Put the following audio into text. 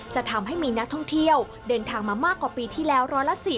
จะทำให้มีนักท่องเที่ยวเดินทางมามากกว่าปีที่แล้ว๑๔